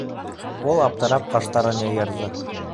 Ул аптырап ҡаштарын йыйырҙы.